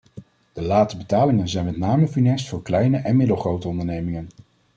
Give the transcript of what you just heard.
De late betalingen zijn met name funest voor kleine en middelgrote ondernemingen.